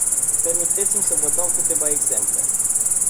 Permiteți-mi să vă dau câteva exemple.